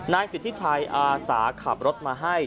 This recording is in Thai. นายสิทธิชัยอาสาขับรถมาให้